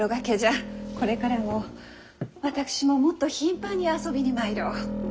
これからも私ももっと頻繁に遊びに参ろう。